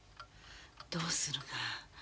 どうするが？